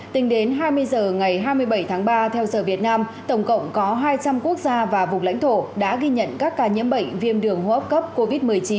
tính đến hai mươi h ngày hai mươi bảy tháng ba theo giờ việt nam tổng cộng có hai trăm linh quốc gia và vùng lãnh thổ đã ghi nhận các ca nhiễm bệnh viêm đường hô hấp cấp covid một mươi chín